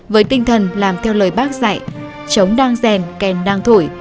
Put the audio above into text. với tinh thần làm theo lời bác dạy chống đang rèn kèn đang thổi